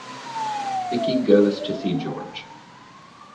Vicky goes to see George.